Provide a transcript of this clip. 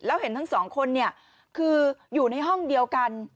แล้วเห็นทั้งสองคนเนี่ยคืออยู่ในห้องเดียวกัน